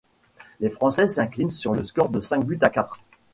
Les Français s'inclinent sur le score de cinq buts à quatre.